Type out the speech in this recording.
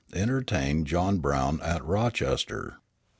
Entertained John Brown at Rochester.